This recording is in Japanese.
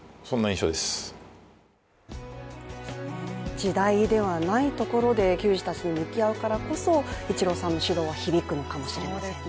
時代ではないところで球児たちに向き合うからこそイチローさんの指導は響くのかもしれませんね。